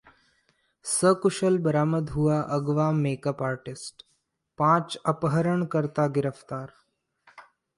सकुशल बरामद हुआ अगवा मेकअप आर्टिस्ट, पांच अपहरणर्ता गिरफ्तार